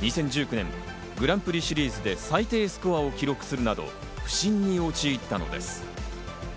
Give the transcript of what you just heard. ２０１９年グランプリシリーズで最低スコアを記録するなど不振に陥ったのです。